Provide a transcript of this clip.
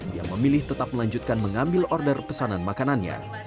dia memilih tetap melanjutkan mengambil order pesanan makanannya